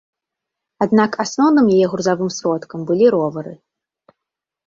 Аднак асноўным яе грузавым сродкам былі ровары.